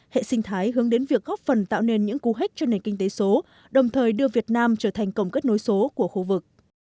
hệ sinh thái hướng đến việc góp phần tạo nên những cú hếch cho nền kinh tế số đồng thời đưa việt nam trở thành cổng kết nối số của khu vực